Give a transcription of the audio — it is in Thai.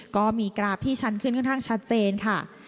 ก็มีกราฟที่ชั้นขึ้นก็ดีกว่า